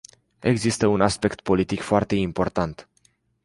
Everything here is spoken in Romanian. Există un aspect politic foarte important.